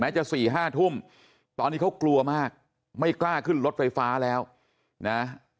จะ๔๕ทุ่มตอนนี้เขากลัวมากไม่กล้าขึ้นรถไฟฟ้าแล้วนะ